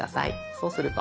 そうすると。